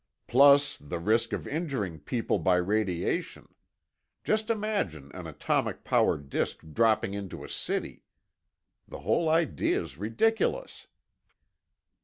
"Plus the risk of injuring people by radiation. just imagine an atomic powered disk dropping into a city. The whole idea's ridiculous."